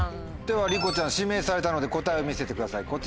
ではりこちゃん指名されたので答えを見せてください。